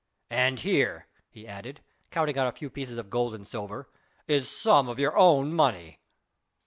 And here," he added, counting out a few pieces of gold and silver, "is some of your own money."